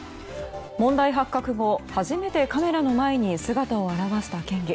問題発覚後初めてカメラの前に姿を現した県議。